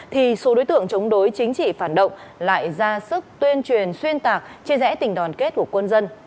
thì số đối tượng chống đối chính trị phản động lại ra sức tuyên truyền xuyên tạc chia rẽ tình đoàn kết của quân dân